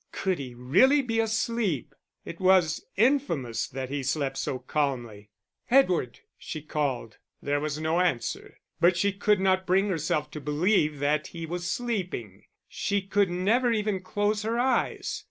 Could he really be asleep? It was infamous that he slept so calmly. "Edward," she called. There was no answer, but she could not bring herself to believe that he was sleeping. She could never even close her eyes.